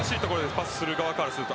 パスをする側からすると。